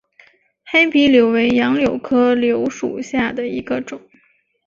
黑皮柳为杨柳科柳属下的一个种。